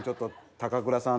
高倉さん。